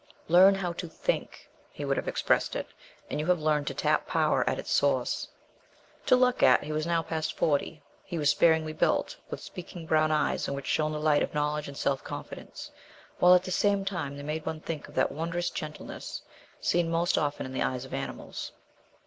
"Learn how to think," he would have expressed it, "and you have learned to tap power at its source." To look at he was now past forty he was sparely built, with speaking brown eyes in which shone the light of knowledge and self confidence, while at the same time they made one think of that wondrous gentleness seen most often in the eyes of animals.